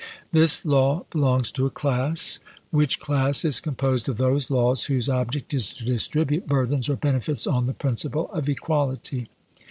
This law belongs to a class, which class is composed of those laws whose object is to distribute burthens or benefits on the principle of equality.